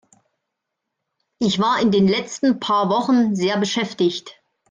Ich war in den letzten paar Wochen sehr beschäftigt.